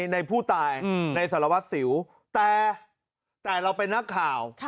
ในผู้ตายในสารวัตรสิวแต่เราเป็นนักข่าว